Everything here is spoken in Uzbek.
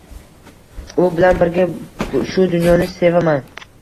U bilan birga shu dunyoni sevaman